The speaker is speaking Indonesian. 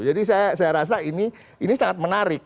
jadi saya rasa ini sangat menarik